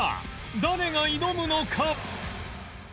誰が挑むのか？